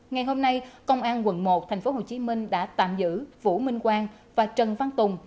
ngày hôm nay công an quận một tp hcm đã tạm giữ vũ minh quang và trần văn tùng